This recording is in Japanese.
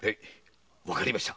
わかりました。